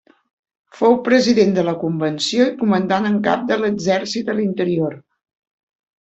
Fou president de la Convenció i comandant en cap de l'exèrcit a l'interior.